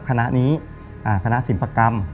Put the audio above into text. คณะนี้คณะศิลปกรรม